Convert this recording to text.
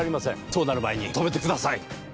そうなる前に止めてください。